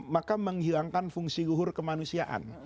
maka menghilangkan fungsi luhur kemanusiaan